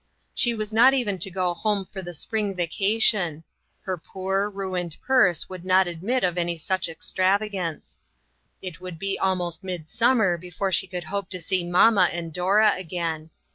She was not even to go home for the spring vacation ; her poor, ruined purse would not admit of any such extravagance. It would be almost midsummer before she could hope to see mamma and Dora again.